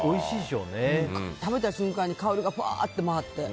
食べた瞬間に香りがふわーっと回って。